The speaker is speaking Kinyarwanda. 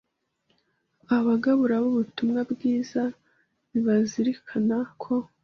Abagabura b’Ubutumwa bwiza nibazirikane ko